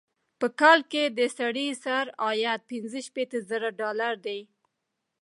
په کال کې یې د سړي سر عاید پنځه شپيته زره ډالره دی.